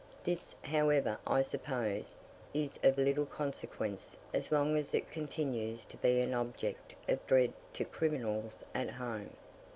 This, however, I suppose, is of little consequence as long as it continues to be an object of dread to criminals at home.